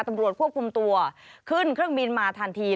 ตำรวจควบคุมตัวขึ้นเครื่องบินมาทันที